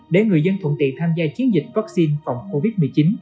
để người dân thuận tiện tham gia chiến dịch vaccine phòng covid một mươi chín